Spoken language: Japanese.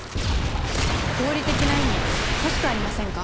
合理的な意味欲しくありませんか？